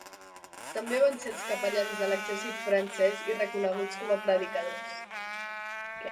També van ser els capellans de l'exèrcit francès i reconeguts com a predicadors.